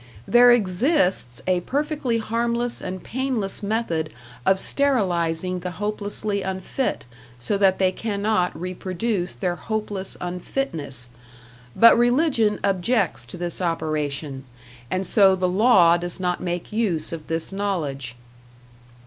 There exists a perfectly harmless and painless method of sterilizing the hopelessly unfit, so that they can not reproduce their hopeless unfitness; but religion objects to this operation, and so the law does not make use of this knowledge.